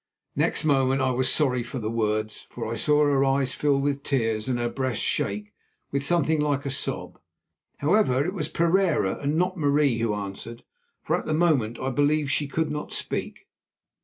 Next moment I was sorry for the words, for I saw her eyes fill with tears and her breast shake with something like a sob. However, it was Pereira and not Marie who answered, for at the moment I believe she could not speak.